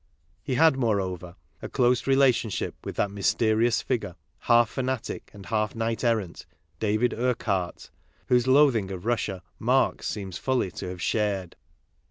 He had, moreover, a close relation ship with that mysterious figure, half fanatic and half knight errant, David Urquhart, whose loathing of Russia Marx seems fully to have shared.